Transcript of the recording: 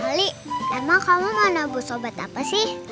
ali lama kamu mau nabur sobat apa sih